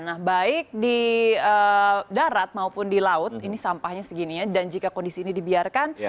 nah baik di darat maupun di laut ini sampahnya segininya dan jika kondisi ini dibiarkan